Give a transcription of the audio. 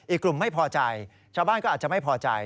อีกกลุ่มไม่พอใจชาวบ้านก็อาจจะไม่พอใจ